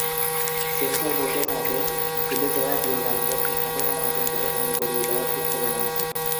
Sensor বোর্ডের মতে "ভুলে যাওয়া বিয়োগান্তক ঘটনা নতুন করে মনে করিয়ে দেওয়া ঠিক হবে না।"